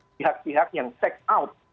pihak pihak yang take out